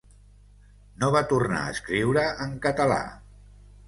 No va tornar a escriure en català.